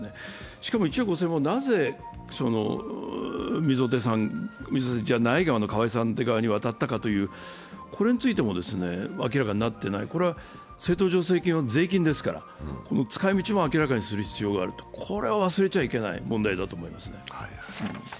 しかも１億５０００万円、なぜ溝手さんじゃない側の河井さん側に渡ったかという、これについても明らかになっていない、政党助成金は税金ですからこの使いみちも明らかにする必要がある、これは忘れちゃいけない問題だと思いますね。